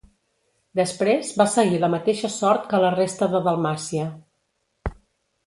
Després va seguir la mateixa sort que la resta de Dalmàcia.